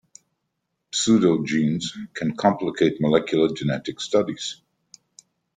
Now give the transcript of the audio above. Pseudogenes can complicate molecular genetic studies.